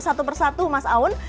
satu persatu mas aun